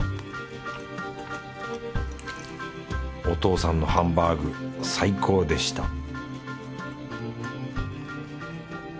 お父さんのハンバーグ最高でした